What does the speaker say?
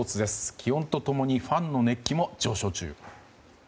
気温と共にファンの熱気も上昇中。